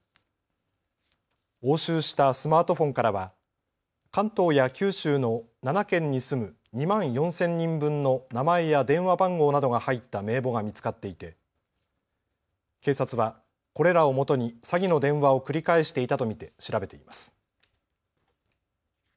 押収したスマートフォンからは関東や九州の７県に住む２万４０００人分の名前や電話番号などが入った名簿が見つかっていて警察はこれらをもとに詐欺の電話を繰り返していたと見て調べています。